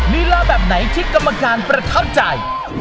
ลีลาแบบไหนที่กรรมการประทับใจ